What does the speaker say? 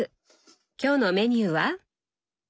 今日のメニューは？